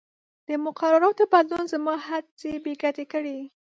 د مقرراتو بدلون زما هڅې بې ګټې کړې.